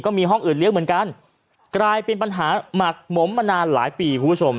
มีห้องอื่นเลี้ยงเหมือนกันกลายเป็นปัญหาหมักหมมมานานหลายปีคุณผู้ชม